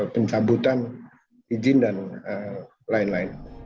pencabutan izin dan lain lain